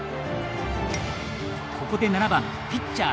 ここで７番ピッチャー